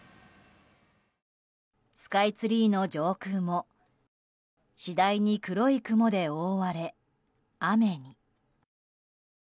スカイツリーの上空も次第に黒い雲で覆われ、雨に。